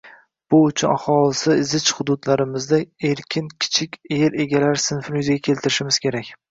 Bu uchun aholisi zich hududlarimizda erkin kichik yer egalari sinfini yuzaga keltirishimiz kerak.